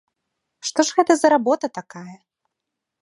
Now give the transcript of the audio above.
Што ж гэта за работа такая?